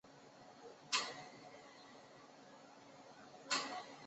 拉希德街是伊拉克巴格达市中心的重要街道之一。